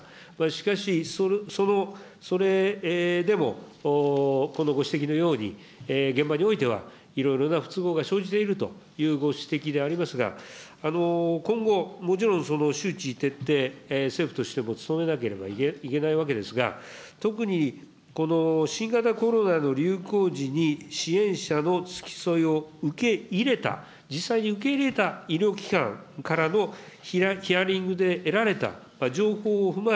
しかし、それでもこのご指摘のように、現場においては、いろいろな不都合が生じているというご指摘でありますが、今後、もちろん周知徹底、政府としても努めなければいけないわけですが、特に新型コロナの流行時に支援者の付き添いを受け入れた、実際に受け入れた医療機関からのヒアリングで得られた情報を踏ま